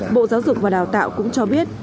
bộ giáo dục và đào tạo cũng cho biết